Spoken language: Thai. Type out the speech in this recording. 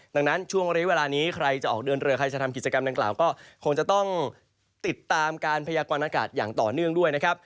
ดังนั้นช่วงเรียกเวลานี้ใครจะออกเดินเรือใครจะทำกิจกรรมดังกล่าวก็คงจะต้องติดตามการพยากรณากาศอย่างต่อเนื่องด้วยนะครับ